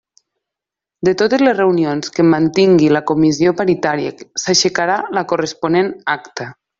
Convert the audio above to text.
De totes les reunions que mantingui la Comissió paritària, s'aixecarà la corresponent acta.